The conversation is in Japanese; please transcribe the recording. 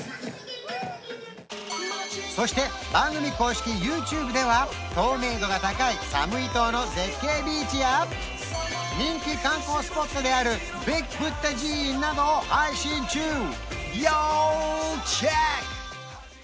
そして番組公式ＹｏｕＴｕｂｅでは透明度が高いサムイ島の絶景ビーチや人気観光スポットであるビッグ・ブッダ寺院などを配信中要チェック！